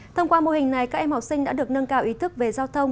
thông qua mô hình này các em học sinh đã được nâng cao ý thức về giao thông